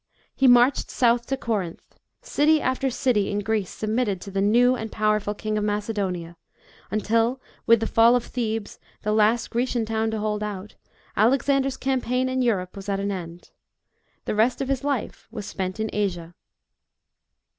He marched south to Corinth. City after city in Greece submitted to the new and powerful 138 EAST AND WEST. [B.C. 334. King of Macedonia, until with the fall of Thebes, the last Grecian town to hold out, Alexander's campaign in Europe was at an end. The rest of his life was spent in Asia.